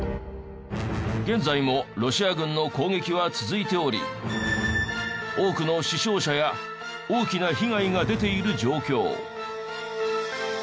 現在もロシア軍の攻撃は続いており多くの死傷者や大きな被害が出ている状況。